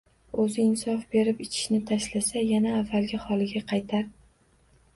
O'zi insof berib ichishni tashlasa, yana avvalgi holiga qaytar